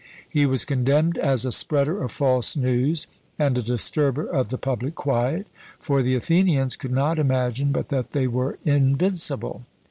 He was condemned as a spreader of false news, and a disturber of the public quiet; for the Athenians could not imagine but that they were invincible!